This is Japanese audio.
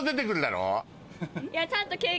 ちゃんと。